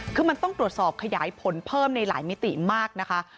คือมันต้องตรวจสอบขยายผลเพิ่มในหลายมิติมากนะคะ